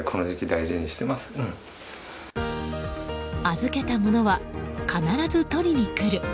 預けた物は必ず取りに来る。